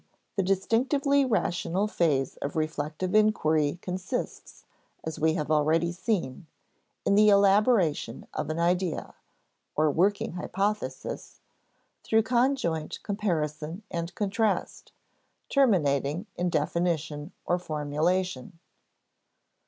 The distinctively rational phase of reflective inquiry consists, as we have already seen, in the elaboration of an idea, or working hypothesis, through conjoint comparison and contrast, terminating in definition or formulation.